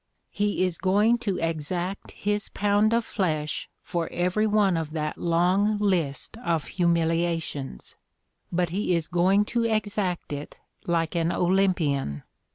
He is going to exact his pound of flesh for every one of that "long list of humiliations"! But he is going to exact it like an Olympian.